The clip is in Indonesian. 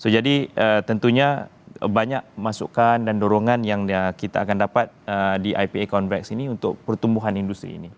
jadi tentunya banyak masukan dan dorongan yang kita akan dapat di ipa convex ini untuk pertumbuhan industri ini